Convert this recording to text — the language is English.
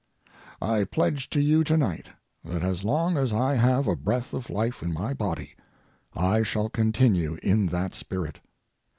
I pledge to you tonight that as long as I have a breath of life in my body, I shall continue in that spirit.